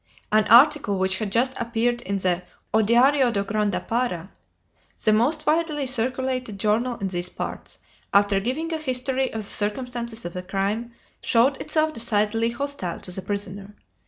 An article which had just appeared in the O Diario d'o Grand Para, the most widely circulated journal in these parts, after giving a history of the circumstances of the crime, showed itself decidedly hostile to the prisoner.